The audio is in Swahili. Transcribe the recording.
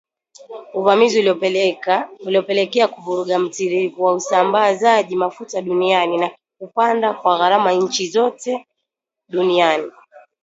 Uvamizi iliyopelekea kuvuruga mtiririko wa usambazaji mafuta duniani na kupanda kwa gharama inchi sote duniani